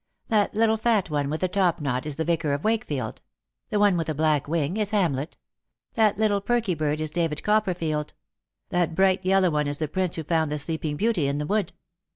That little fat one with the topknot is the Yicar of Wakefield ; the one with a black wing is Hamlet ; that little perky bird is David Copperfield ; that bright yellow one is the Prince who found the Sleeping Beauty in the wood.